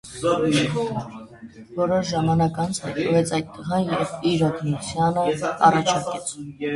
Որոշ ժամանակ անց հայտնվեց այդ տղան և իր օգնությունը առաջարկեց։